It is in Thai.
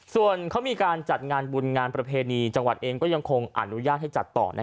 ส่วนเขามีการจัดงานบุญงานประเพณีจังหวัดเองก็ยังคงอนุญาตให้จัดต่อ